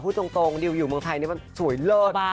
พูดตรงดิวอยู่เมืองไทยนี่มันสวยเลิศมาก